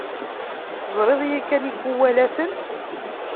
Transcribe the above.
Teẓriḍ yakan ikuwalaten?